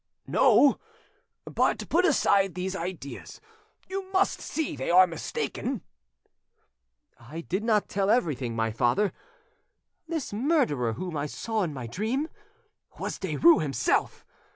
"No. But put aside these ideas; you must see they are mistaken." "I did not tell everything, my father: this murderer whom I saw in my dream—was Derues himself!